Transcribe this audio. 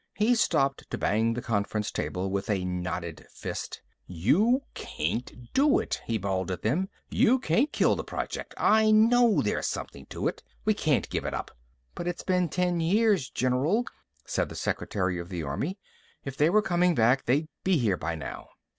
He stopped to bang the conference table with a knotted fist. "You can't do it," he bawled at them. "You can't kill the project. I know there's something to it. We can't give it up!" "But it's been ten years, General," said the secretary of the army. "If they were coming back, they'd be here by now."